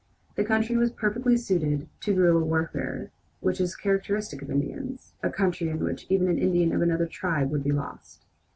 The country was perfectly suited to the guerilla warfare which is characteristic of Indians a country in which even an Indian of another tribe would be lost!